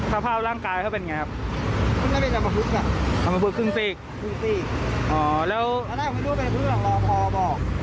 ข้ามไปน่าจะข้ามไปแล้วรถหลังครับ